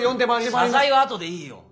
謝罪は後でいいよ！